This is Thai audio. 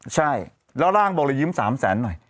ใช่แล้วร่างบอกเลยยิ้ม๓แสนหน่อย